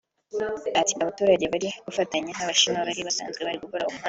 Ati “Abaturage bari gufatanya n’Abashinwa bari basanzwe bari gukora uwo muhanda